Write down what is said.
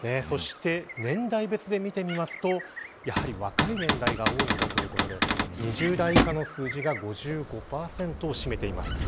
そして、年代別で見てみますとやはり若い年代が多いということで２０代以下の数字が５５％を占めています。